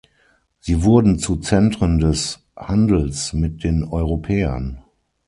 Sie wurden zu Zentren des Handels mit den Europäern.